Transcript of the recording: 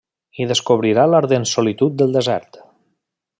Hi descobrirà l'ardent solitud del desert.